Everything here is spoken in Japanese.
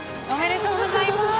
おめでとうございます。